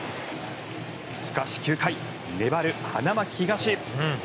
しかし、９回粘る花巻東。